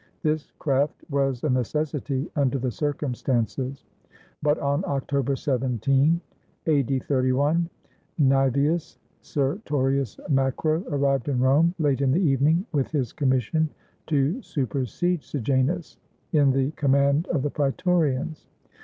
This craft was a necessity under the circumstances. But on October 17, a.d. 31, Nsevius Sertorius Macro arrived in Rome late in the evening, with his commission to supersede Sejanus in the com mand of the Praetorians.